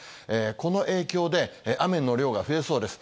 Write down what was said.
この影響で、雨の量が増えそうです。